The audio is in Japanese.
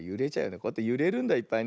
こうやってゆれるんだいっぱいね。